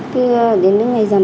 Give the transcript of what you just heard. khi đến đến ngày giảm